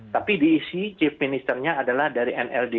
tapi diisi chief ministernya adalah dari mld